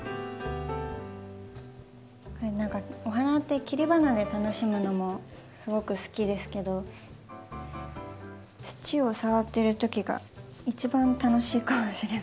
何かお花って切り花で楽しむのもすごく好きですけど土を触ってるときが一番楽しいかもしれない。